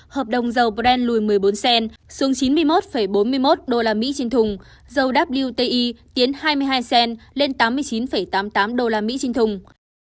hợp đồng dầu brand lùi một mươi bốn cent xuống chín mươi một bốn mươi một usd trên thùng dầu wti tiến hai mươi hai cent lên tám mươi chín tám mươi tám usd trên thùng